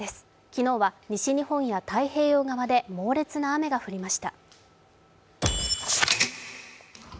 昨日は西日本や太平洋側で猛烈な雨が降りました。